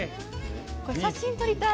これ写真撮りたい！